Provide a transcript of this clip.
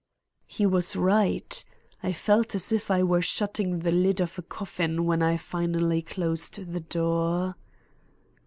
He was right; I felt as if I were shutting the lid of a coffin when I finally closed the door.